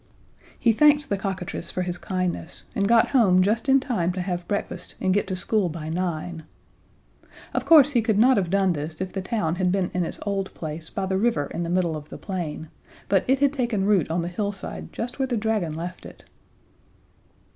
He thanked the cockatrice for his kindness, and got home just in time to have breakfast and get to school by nine. Of course, he could not have done this if the town had been in its old place by the river in the middle of the plain, but it had taken root on the hillside just where the dragon left it.